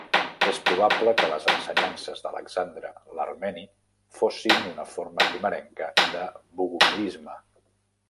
És probable que les ensenyances d'Alexandre l'armeni fossin una forma primerenca de bogomilisme.